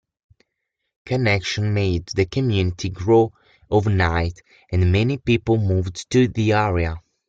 Connection made the community grow overnight and many people moved to the area.